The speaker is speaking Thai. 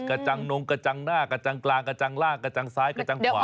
กระจังนงกระจังหน้ากระจังกลางกระจังล่างกระจังซ้ายกระจังขวา